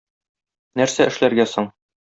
Нәрсә эшләргә соң?